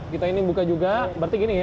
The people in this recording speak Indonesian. kita ini buka juga berarti gini ya